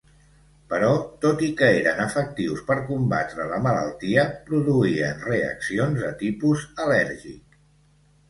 Però, tot i que eren efectius per combatre la malaltia, produïen reaccions de tipus al·lèrgic.